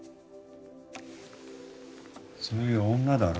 そういう女だろ？